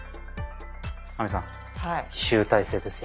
亜美さん集大成ですよ。